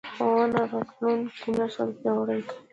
ښوونه راتلونکی نسل پیاوړی کوي